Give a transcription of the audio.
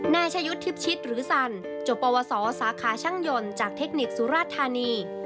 นายชายุทธ์ทิพชิตหรือสันจบปวสอสาขาช่างยนต์จากเทคนิคสุราชธานี